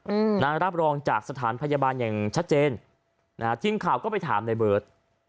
อืมนะรับรองจากสถานพยาบาลอย่างชัดเจนนะฮะทีมข่าวก็ไปถามในเบิร์ต